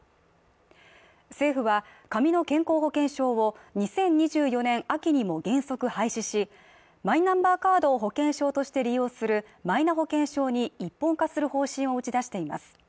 政府は紙の健康保険証を２０２４年秋にも原則廃止しマイナンバーカードを保険証として利用するマイナ保険証に一本化する方針を打ち出しています